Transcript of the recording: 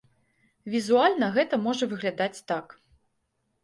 Візуальна гэта можа выглядаць так.